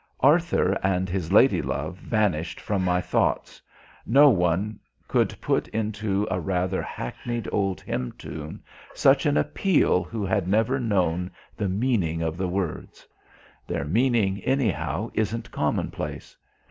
Arthur and his lady love vanished from my thoughts. No one could put into a rather hackneyed old hymn tune such an appeal who had never known the meaning of the words. Their meaning, anyhow, isn't commonplace.